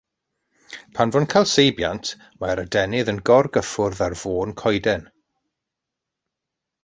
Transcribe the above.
Pan fo'n cael seibiant mae'r adenydd yn gorgyffwrdd ar fôn coeden.